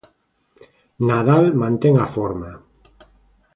Nadal mantén a forma.